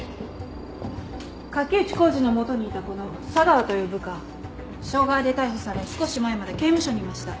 垣内浩二の下にいたこの佐川という部下傷害で逮捕され少し前まで刑務所にいました。